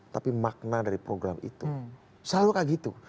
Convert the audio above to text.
tapi makna dari program itu selalu kayak gitu